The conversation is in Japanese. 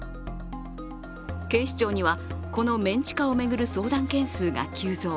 警視庁には、このメン地下を巡る相談件数が急増。